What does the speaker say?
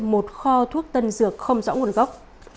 một kho thuốc tân dược không rõ nguồn gốc